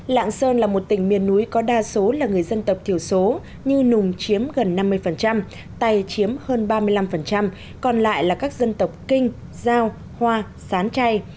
lạng sơn là một tỉnh miền núi có đa số là người dân tộc thiểu số như nùng chiếm gần năm mươi tay chiếm hơn ba mươi năm còn lại là các dân tộc kinh giao hoa sán chay